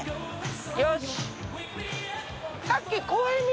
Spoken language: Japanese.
よし。